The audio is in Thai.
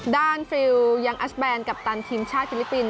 ฟิลยังอัชแบนกัปตันทีมชาติฟิลิปปินส